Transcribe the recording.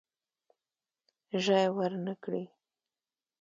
ژای ورنه کړي.